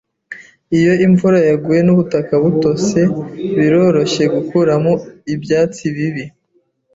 Iyo imvura iguye nubutaka butose, biroroshye gukuramo ibyatsi bibi.